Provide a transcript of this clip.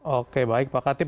oke baik pak khatib